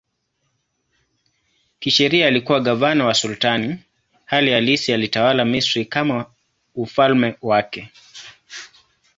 Kisheria alikuwa gavana wa sultani, hali halisi alitawala Misri kama ufalme wake.